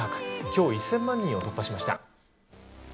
今日、１０００万人を突破しました。